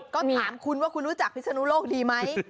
ก็ถามคุณว่าคุณรู้จักพิศนุโลกดีไหม